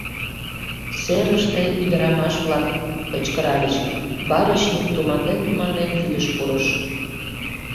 Серыште ӱдырамаш-влак кычкыральыч, барочник туманлен-туманлен вӱдыш пурыш.